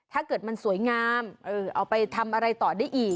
ถ้าเกิดมันสวยงามเอาไปทำอะไรต่อได้อีก